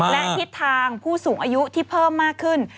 และทิศทางผู้สูงอายุที่เพิ่มมากขึ้น